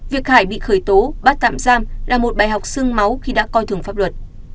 việc hải bị khởi tố bắt tạm giam là một bài học sương máu khi đã coi thường pháp luật